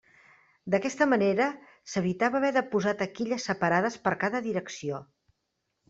D'aquesta manera s'evitava haver de posar taquilles separades per cada direcció.